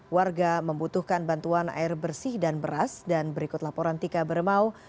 warga membutuhkan bantuan air bersih dan beras dan berikut laporan tika beremau